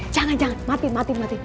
jangan jangan mati mati